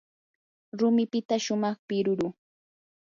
rumipita shumaq piruru.